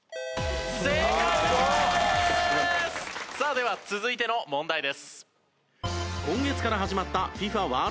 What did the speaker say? さあでは続いての問題です。